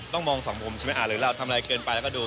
มองสองมุมใช่ไหมหรือเราทำอะไรเกินไปแล้วก็ดู